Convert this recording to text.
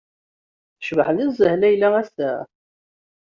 Tecbeḥ nezzeh Leïla ass-a!